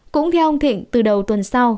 cũng theo ông thịnh từ đầu tuần sau